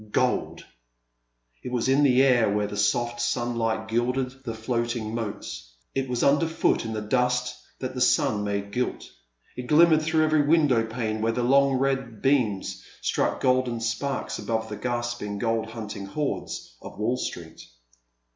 Gold ! It was in the air where the soft sunlight gilded the floating moats, it was under foot in the dust that the sun made gilt, it glimmered fi om every window pane where the long red beams struck golden sparks above the gasping gold hunting hordes of Wall Street.